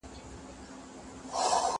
زه بايد سبزېجات وچوم!